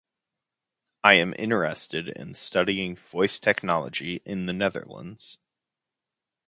I am interested in studying voice technology in the Netherlands.